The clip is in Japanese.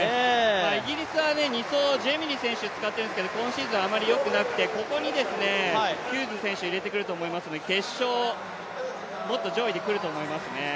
イギリスは２走、ジェミリ選手使っているんですけど今シーズンあまりよくなくて、ここにヒューズ選手を入れてくると思いますので、決勝、もっと上位でくると思いますね。